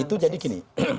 itu jadi gini